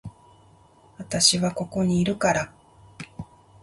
私はここにいるから